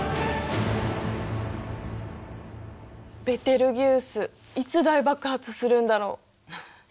ベテルギウスいつ大爆発するんだろう？